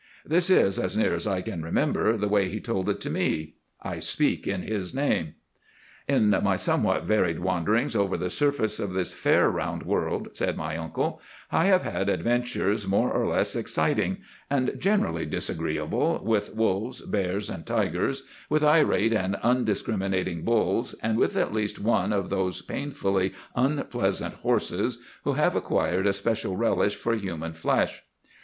This is, as near as I can remember, the way he told it to me. I speak in his name. "In my somewhat varied wanderings over the surface of this fair round world," said my uncle, "I have had adventures more or less exciting, and generally disagreeable, with wolves, bears, and tigers, with irate and undiscriminating bulls, and with at least one of those painfully unpleasant horses, who have acquired a special relish for human flesh.